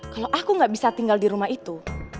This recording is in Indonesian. kalau aku nggak bisa tinggal di rumah itu